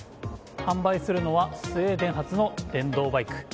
販売するのはスウェーデン発の電動バイク。